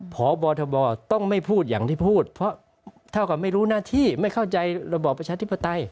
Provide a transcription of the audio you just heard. พบทบต้องไม่พูดอย่างที่พูดเพราะเท่ากับไม่รู้หน้าที่ไม่เข้าใจระบอบประชาธิปไตย